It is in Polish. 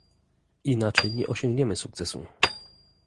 Inaczej nie osiągniemy sukcesu